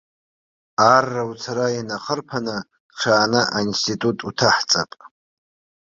Арра уцара инахырԥаны, ҽааны аинститут уҭаҳҵап.